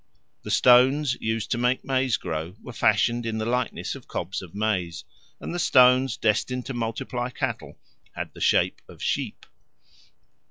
The stones used to make maize grow were fashioned in the likeness of cobs of maize, and the stones destined to multiply cattle had the shape of sheep.